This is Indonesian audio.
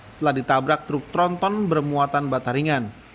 setelah ditabrak truk tronton bermuatan bataringan